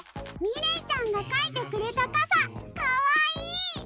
みれいちゃんがかいてくれたかさかわいい！